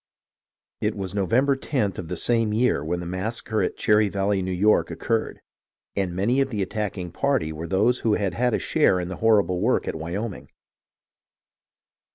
It was November loth of the same year when the massacre at Cherry Valley, New York, occurred ; and many of the attacking party were those who had had a share in the horrible work at Wyoming.